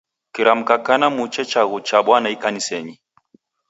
Kiramka kana muche chaghu cha Bwana ikanisenyi.